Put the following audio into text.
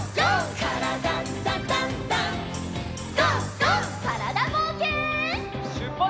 からだぼうけん。